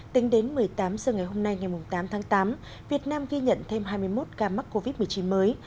tính đến một mươi tám h ngày hôm nay ngày tám tháng tám việt nam ghi nhận thêm hai mươi một ca mắc covid một mươi chín mới